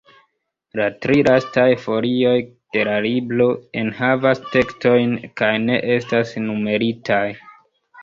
La tri lastaj folioj de la libro enhavas tekstojn kaj ne estas numeritaj.